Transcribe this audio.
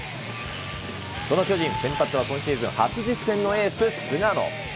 その巨人、先発は今シーズン初実戦のエース、菅野。